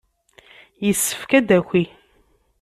Yessefk ad d-taki.